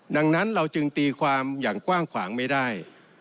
ดังนั้นเราจึงตีความอย่างกว้างขวางไม่ได้